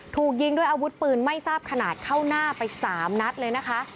ถูกยิงด้วยอาวุธปืนไม่ทราบขนาดเข้าหน้าไป๓นัดเลยนะคะ